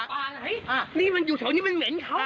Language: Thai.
ไหนนี่มันอยู่แถวนี้มันเหม็นเขา